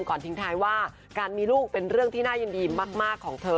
ทิ้งท้ายว่าการมีลูกเป็นเรื่องที่น่ายินดีมากของเธอ